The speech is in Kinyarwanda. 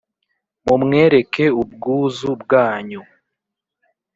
mumwereke ubwuzu bwanyu